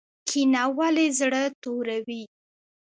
کینه ولې زړه توروي؟